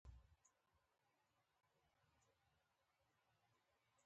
ایا ستاسو کینه به یخه وي؟